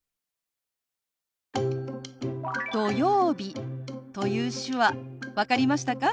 「土曜日」という手話分かりましたか？